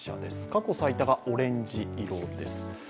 過去最多がオレンジ色です。